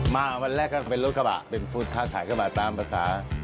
มาวันแรกก็เป็นรถกระบะเป็นฟูดทาสายกระบะตามภาษา